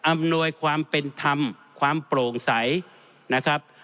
อำนวยความเป็นธรรมความโปร่งใสนะครับ